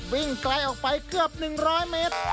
วิ่งไกลออกไปเกือบ๑๐๐เมตร